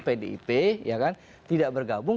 pdip tidak bergabung